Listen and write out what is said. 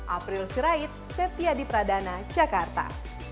april sirait setia di pradana jakarta